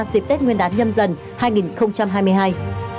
dịp tết nguyên đán nhâm dần hai nghìn hai mươi hai